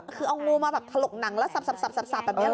คือเอางูมาแบบถลกหนังแล้วสับแบบนี้เหรอ